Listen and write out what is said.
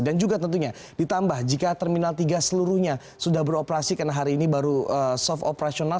dan juga tentunya ditambah jika terminal tiga seluruhnya sudah beroperasi karena hari ini baru soft operasional